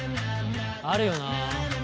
あるよな。